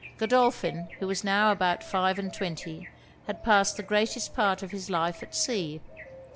Godolphin, who was now about five and twenty, had passed the greatest part of his life at sea.